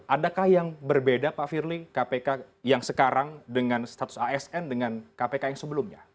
adakah yang berbeda pak firly kpk yang sekarang dengan status asn dengan kpk yang sebelumnya